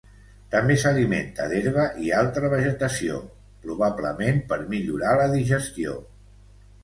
També s'alimenta d'herba i altra vegetació, probablement per millorar la digestió.